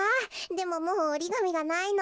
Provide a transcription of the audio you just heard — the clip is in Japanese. でももうおりがみがないの。